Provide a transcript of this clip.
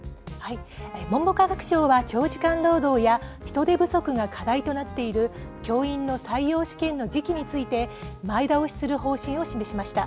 文部科学省は長時間労働や人手不足が課題となっている教員の採用試験の時期について、前倒しする方針を示しました。